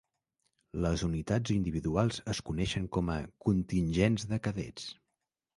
Les unitats individuals es coneixen com a "contingents de cadets".